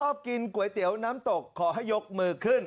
กินก๋วยเตี๋ยวน้ำตกขอให้ยกมือขึ้น